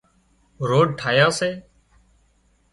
روڊ ٺاهيا سي